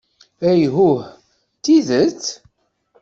Ihuh, d tidet?